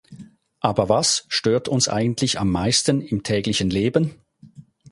Aber was stört uns eigentlich am meisten im täglichen Leben?